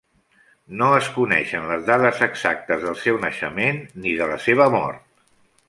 No es coneixen les dates exactes del seu naixement ni de la seva mort.